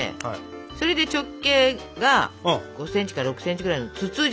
それで直径が５ｃｍか６ｃｍぐらいの筒状。